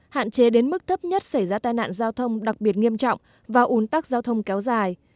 hạn chế đến mức thấp nhất xảy ra tai nạn giao thông đặc biệt nghiêm trọng và ủn tắc giao thông kéo dài